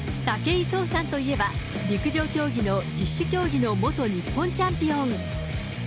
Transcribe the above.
武井壮さんといえば、陸上競技の十種競技の元日本チャンピオン。